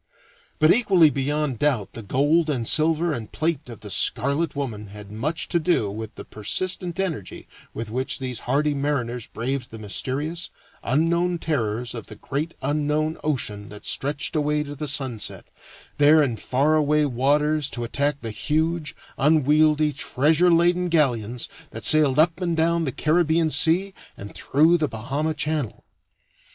But equally beyond doubt the gold and silver and plate of the "Scarlet Woman" had much to do with the persistent energy with which these hardy mariners braved the mysterious, unknown terrors of the great unknown ocean that stretched away to the sunset, there in far away waters to attack the huge, unwieldy, treasure laden galleons that sailed up and down the Caribbean Sea and through the Bahama Channel.